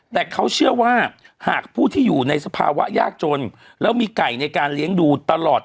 แต่เขาเชื่อว่าหากผู้ที่อยู่ในสภาวะยากจนแล้วมีไก่ในการเลี้ยงดูตลอด